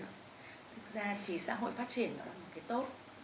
thực ra thì xã hội phát triển đó là một cái tốt